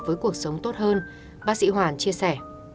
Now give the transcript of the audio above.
với cuộc sống tốt hơn bác sĩ hoàn chia sẻ